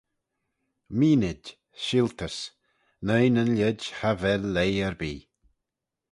Meenid: sheeltys, noi nyn lheid cha vel leigh erbee.